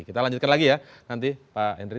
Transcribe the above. kita lanjutkan lagi ya nanti pak henry